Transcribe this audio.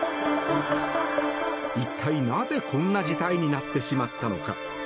一体なぜ、こんな事態になってしまったのか。